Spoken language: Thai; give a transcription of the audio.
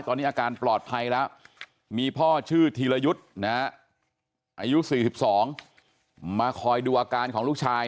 ตอนนี้อาการปลอดภัยแล้วมีพ่อชื่อธีรยุทธ์อายุ๔๒มาคอยดูอาการของลูกชาย